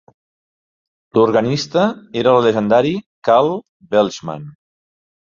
L'organista era el llegendari Carl Welshman.